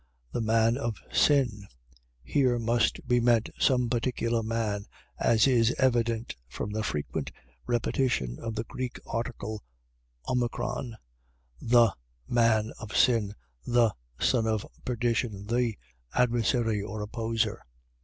The man of sin. . .Here must be meant some particular man, as is evident from the frequent repetition of the Greek article: o`, 'the' man of sin, 'the' son of perdition, 'the' adversary or opposer.